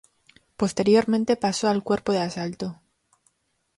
Posteriormente pasó al Cuerpo de Asalto.